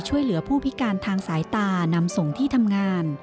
ช่วยเหลือผู้พิการทางสายตานำส่งที่ทำงาน